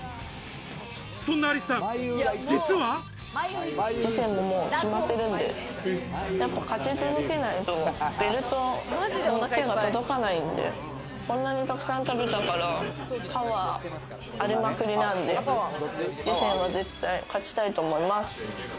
そんなアリスさん、次戦ももう決まってるんで、勝ち続けないとベルトに手が届かないんで、こんなに沢山食べたからパワーありまくりなんで、次戦は絶対勝ちたいと思います。